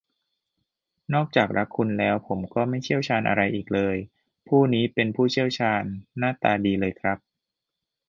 นอกจากรักคุณแล้ว ผมก็ไม่เชี่ยวชาญอะไรอีกเลย ผู้นี้เป็นผู้เชี่ยวชาญหน้าตาดีเลยครับ